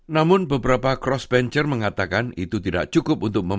namun beberapa crossbencher mengatakan itu tidak cukup untuk memenuhi